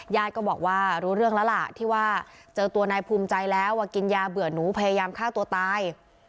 ญาติก็บอกว่ารู้เรื่องแล้วล่ะที่ว่าเจอตัวนายภูมิใจแล้วว่ากินยาเบื่อหนูพยายามฆ่าตัวตาย